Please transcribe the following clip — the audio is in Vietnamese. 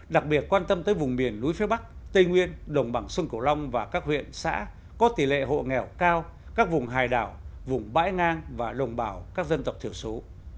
đặc biệt quan tâm tới vùng miền núi phía bắc tây nguyên đồng bằng sông cửu long và các huyện xã có tỷ lệ hộ nghèo cao các vùng hải đảo vùng bãi ngang và đồng bào các dân tộc thiểu số